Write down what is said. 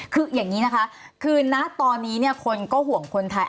คืออย่างนี้นะคะคือณตอนนี้คนก็ห่วงคนไทย